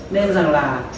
nên rằng là